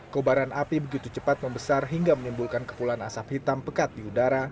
kobaran api begitu cepat membesar hingga menimbulkan kepulan asap hitam pekat di udara